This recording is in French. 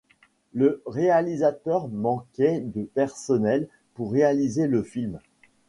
Le réalisateur manquait de personnel pour réaliser le film.